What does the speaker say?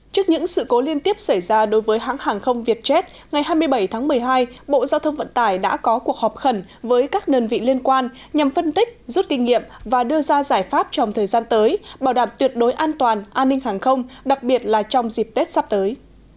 trước những sự cố liên tiếp xảy ra đối với hãng hàng không vietjet ngày hai mươi bảy tháng một mươi hai bộ giao thông vận tải đã có cuộc họp khẩn với các nơn vị liên quan nhằm phân tích rút kinh nghiệm và đưa ra giải pháp trong thời gian tới bảo đảm tuyệt đối an toàn an ninh hàng không đặc biệt là trong dịp tết sắp tới